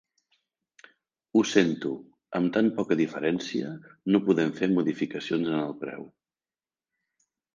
Ho sento, amb tan poca diferència no podem fer modificacions en el preu.